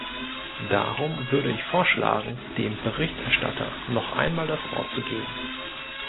Darum würde ich vorschlagen, dem Berichterstatter noch einmal das Wort zu geben.